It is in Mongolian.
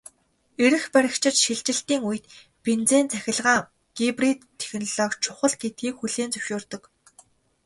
Эрх баригчид шилжилтийн үед бензин-цахилгаан гибрид технологи чухал гэдгийг хүлээн зөвшөөрдөг.